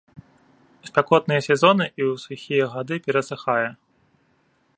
У спякотныя сезоны і ў сухія гады перасыхае.